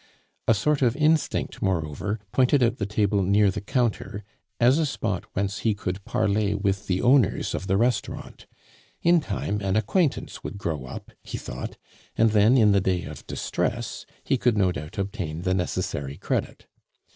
A sort of instinct, moreover, pointed out the table near the counter as a spot whence he could parlay with the owners of the restaurant. In time an acquaintance would grow up, he thought, and then in the day of distress he could no doubt obtain the necessary credit.